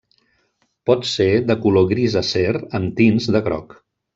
Pot ser de color gris acer amb tints de groc.